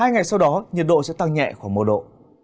hai ngày sau đó nhiệt độ sẽ tăng nhẹ khoảng một độ